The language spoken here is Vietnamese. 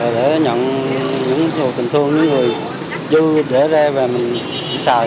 để nhận những hộp tình thương những người vui để ra về mình xài